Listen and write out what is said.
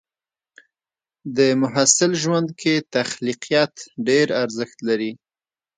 د محصل ژوند کې تخلیقيت ډېر ارزښت لري.